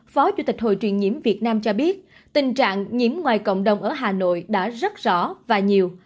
phó chủ tịch hội truyền nhiễm việt nam cho biết tình trạng nhiễm ngoài cộng đồng ở hà nội đã rất rõ và nhiều